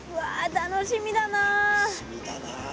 楽しみだな。